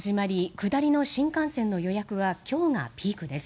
下りの新幹線の予約は今日がピークです。